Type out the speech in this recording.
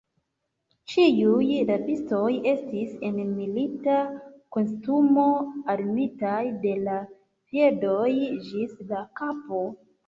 Ĉiuj rabistoj estis en milita kostumo, armitaj de la piedoj ĝis la kapo.